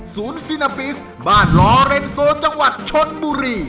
ซีนาปิสบ้านลอเรนโซจังหวัดชนบุรี